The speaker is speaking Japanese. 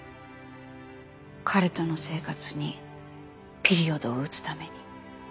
彼との生活にピリオドを打つために。